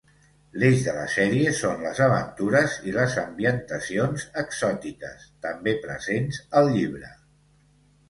L'eix de la sèrie són les aventures i les ambientacions exòtiques, també presents al llibre.